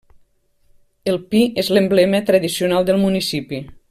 El pi és l'emblema tradicional del municipi.